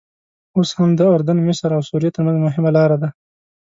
اوس هم د اردن، مصر او سوریې ترمنځ مهمه لاره ده.